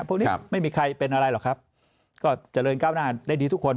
พวกนี้ไม่มีใครเป็นอะไรหรอกครับก็เจริญก้าวหน้าได้ดีทุกคน